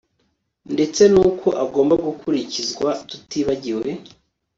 ndetse n'uko agomba gukurikizwa tutibagiwe